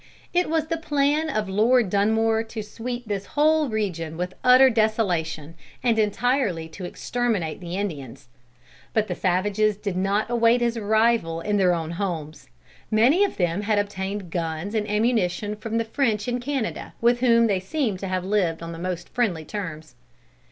It was the plan of Lord Dunmore to sweep this whole region with utter desolation, and entirely to exterminate the Indians. But the savages did not await his arrival in their own homes. Many of them had obtained guns and ammunition from the French in Canada, with whom they seem to have lived on the most friendly terms.